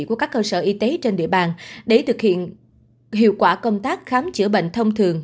của các cơ sở y tế trên địa bàn để thực hiện hiệu quả công tác khám chữa bệnh thông thường